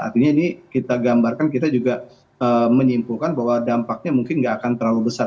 artinya ini kita gambarkan kita juga menyimpulkan bahwa dampaknya mungkin nggak akan terlalu besar